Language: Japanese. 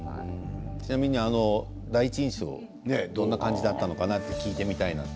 ちなみに第一印象どんな感じだったのかなと聞いてみたいなと。